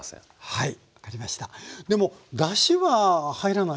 はい。